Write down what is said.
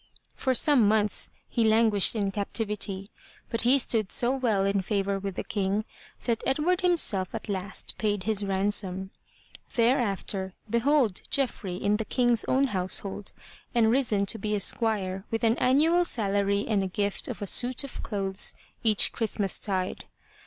For some months he languished in captivity, but he stood so well in favor with the King, that Edward himself at last paid his ransom. Thereafter, behold Geoffrey in the King's own household and risen to be a squire with an annual salary and a gift of a suit of clothes each Christmas tide.